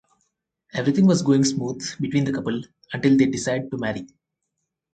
Everything was going smooth between the couple until they decide to marry.